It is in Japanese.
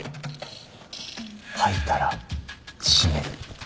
吐いたら締める。